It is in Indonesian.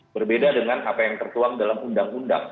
berbeda dengan apa yang tertuang dalam undang undang